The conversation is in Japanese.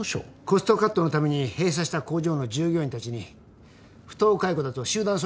コストカットのために閉鎖した工場の従業員たちに不当解雇だと集団訴訟を起こされたんです。